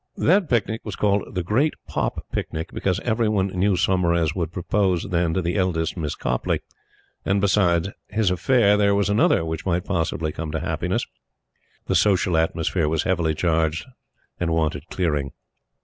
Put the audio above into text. That picnic was called the "Great Pop Picnic," because every one knew Saumarez would propose then to the eldest Miss Copleigh; and, beside his affair, there was another which might possibly come to happiness. The social atmosphere was heavily charged and wanted clearing.